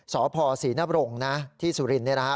สศศรีนรงค์นะที่สุรินทร์เนี้ยนะฮะ